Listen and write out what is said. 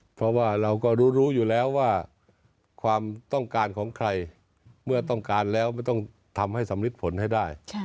เพราะว่าเราก็รู้อยู่แล้วว่าความต้องการของใครเมื่อต้องการแล้วไม่ต้องทำให้สำริดผลให้ได้